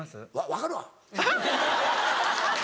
分かるわ。